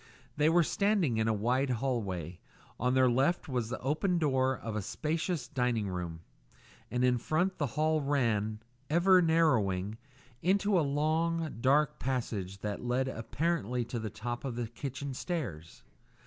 They were standing in a wide hall way; on their left was the open door of a spacious dining room, and in front the hall ran, ever narrowing, into a long, dark passage that led apparently to the top of the kitchen stairs.